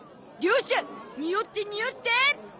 両者におってにおって！